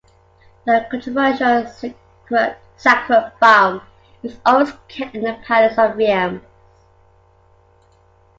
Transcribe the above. The controversial sacred balm is always kept in the palace of Reims.